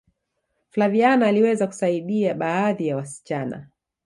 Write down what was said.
flaviana aliweza kusaidia baadhi ya wasichana